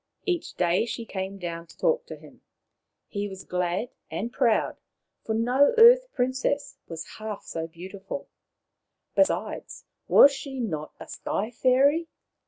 Each day she came down to talk to him. He was glad and proud, for no Earth princess was half so beautiful ; besides, was she not a Sky fairy